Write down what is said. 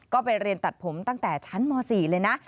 ก็ไปเรียนตัดผมตั้งแต่ชั้นม๔เลยนะ